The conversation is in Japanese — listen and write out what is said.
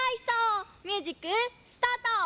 ミュージックスタート！